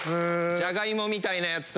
ジャガイモみたいなヤツと。